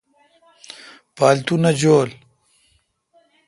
پاتو نہ جولو۔